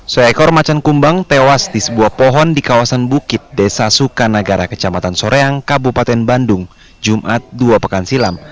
seekor macan kumbang tewas di sebuah pohon di kawasan bukit desa sukanagara kecamatan soreang kabupaten bandung jumat dua pekan silam